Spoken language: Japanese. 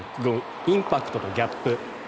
インパクトとギャップ。